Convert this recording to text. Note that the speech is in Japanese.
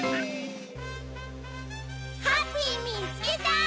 ハッピーみつけた！